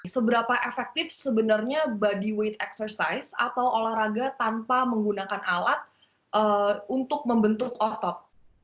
seberapa efektif sebenarnya bodyweight exercise atau olahraga tanpa menggunakan alat untuk membentuk otot